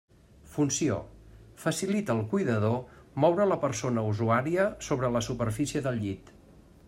Funció: facilita al cuidador moure la persona usuària sobre la superfície del llit.